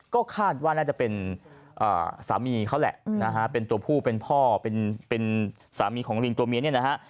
ก็คาดว่าน่าจะเป็นสามีเขาแหละนะฮะเป็นตัวผู้เป็นพ่อเป็นสามีของลิงตัวเมียเนี่ยนะฮะ